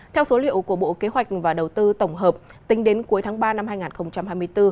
theo số liệu của bộ kế hoạch và đầu tư tổng hợp tính đến cuối tháng ba năm hai nghìn hai mươi bốn